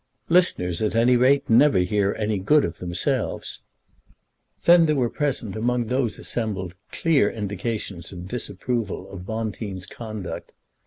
"Listeners at any rate never hear any good of themselves." Then there were present among those assembled clear indications of disapproval of Bonteen's conduct.